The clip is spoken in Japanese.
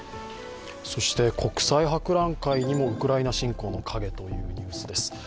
そして国際博覧会にもウクライナ侵攻の影というニュースです。